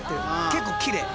結構きれい。